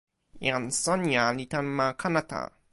jan Sonja li tan ma Kanata.